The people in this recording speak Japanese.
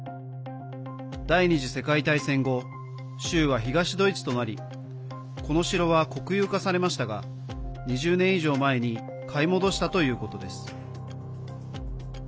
第２次世界大戦後州は東ドイツとなりこの城は国有化されましたが２０年以上前に買い戻したということです。